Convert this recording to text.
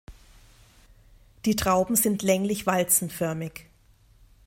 Die Trauben sind länglich walzenförmig.